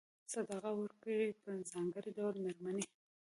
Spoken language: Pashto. صدقه ورکوي په ځانګړي ډول مېرمنې.